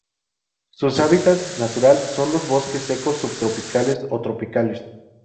Sus hábitats naturales son los bosques secos subtropicales o tropicales.